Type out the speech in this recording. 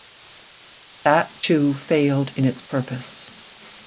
That, too, failed in its purpose.